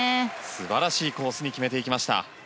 素晴らしいコースに決めていきました。